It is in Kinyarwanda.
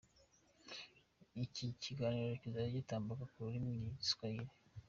Iki kiganiro kizajya gitambuka mu rurimi rw’Igiswayire .